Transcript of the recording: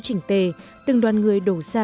trình tề từng đoàn người đổ ra